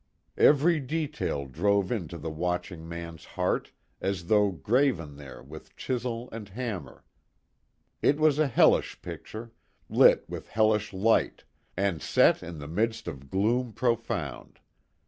Every detail drove into the watching man's heart as though graven there with chisel and hammer. It was a hellish picture, lit with hellish light, and set in the midst of gloom profound.